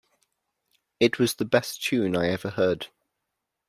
It was the best tune I ever heard.